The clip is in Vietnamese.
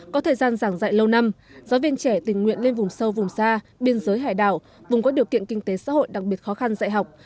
có thời gian giảng dạy lâu năm giáo viên trẻ tình nguyện lên vùng sâu vùng xa biên giới hải đảo vùng có điều kiện kinh tế xã hội đặc biệt khó khăn dạy học